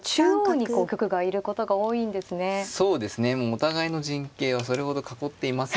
お互いの陣形はそれほど囲っていませんからね。